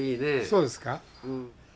そうですか？